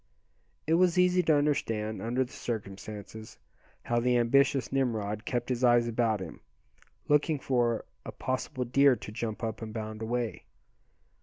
It was easy to understand, under the circumstances, how the ambitious Nimrod kept his eyes about him, looking for a possible deer to jump up and bound away.